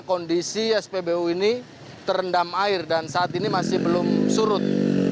kondisi spbu ini terendam air dan saat ini masih belum surut